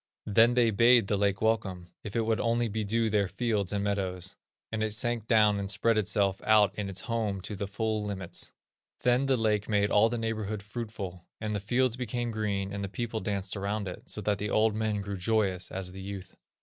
Then they bade the lake welcome, if it would only bedew their fields and meadows; and it sank down and spread itself out in its home to the full limits. Then the lake made all the neighborhood fruitful, and the fields became green, and the people danced around it, so that the old men grew joyous as the youth."